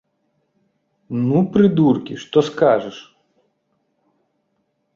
Ну, прыдуркі, што скажаш!